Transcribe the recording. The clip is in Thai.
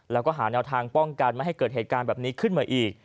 แล้วก็หาแนวทางป้องกันไม่ให้เกิดเหตุการณ์แบบนี้ขึ้นมาอีก